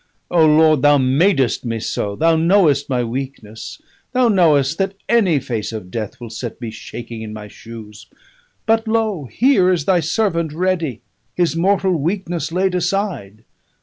O Lord, Thou madest me so, Thou knowest my weakness, Thou knowest that any face of death will set me shaking in my shoes. But, lo! here is Thy servant ready, his mortal weakness laid aside.